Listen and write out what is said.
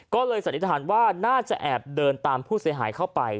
ก็เลยสันนิษฐานว่าน่าจะแอบเดินตามผู้เสียหายเข้าไป